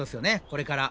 これから。